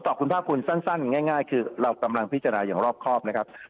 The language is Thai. ผมวันคุณภาคคุณซั่นง่ายคือเรากำลังพิจารณ์อย่างรอบครอบ